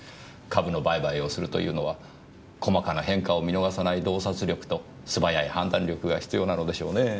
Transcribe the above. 株の売買をするというのは細かな変化を見逃さない洞察力と素早い判断力が必要なのでしょうねぇ。